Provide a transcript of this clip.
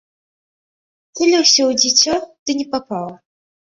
Цэліўся ў дзіцё, ды не папаў.